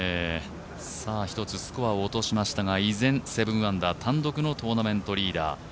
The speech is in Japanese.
１つ、スコアを落としましたが以前７アンダー単独のトーナメントリーダー。